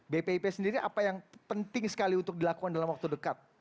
bpip sendiri apa yang penting sekali untuk dilakukan dalam waktu dekat